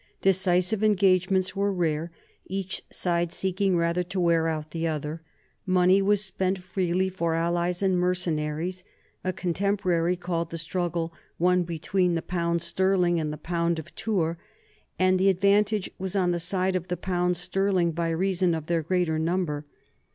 Decisive engagements were rare, each side seeking rather to wear out the other. Money was spent freely for allies and mercenaries a contemporary called the struggle one between the pound sterling and the pound of Tours, and the advantage was on the side of the pounds sterling by reason of their greater number.